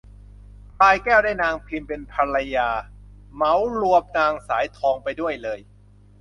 พลายแก้วได้นางพิมเป็นภรรยา เหมารวมนางสายทองไปด้วยเลย